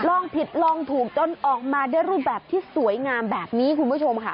ลองผิดลองถูกจนออกมาด้วยรูปแบบที่สวยงามแบบนี้คุณผู้ชมค่ะ